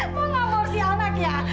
pengamor si anak ya